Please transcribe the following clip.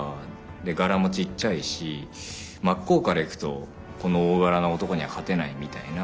ガラもちっちゃいし真っ向から行くとこの大柄な男には勝てないみたいな。